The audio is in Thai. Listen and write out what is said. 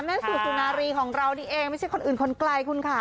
สู่สุนารีของเรานี่เองไม่ใช่คนอื่นคนไกลคุณค่ะ